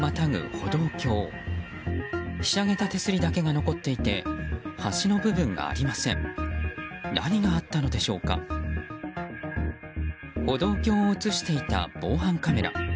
歩道橋を映していた防犯カメラ。